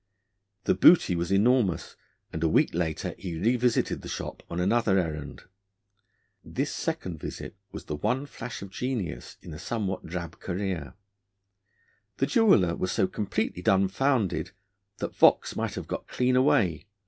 The booty was enormous, and a week later he revisited the shop on another errand. This second visit was the one flash of genius in a somewhat drab career: the jeweller was so completely dumfounded, that Vaux might have got clean away.